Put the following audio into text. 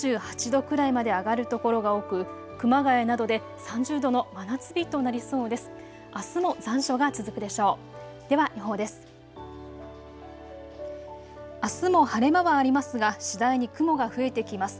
２８度くらいまで上がる所が多く熊谷などで３０度の真夏日となりそうです。